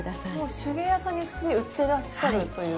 手芸屋さんに普通に売ってらっしゃるという。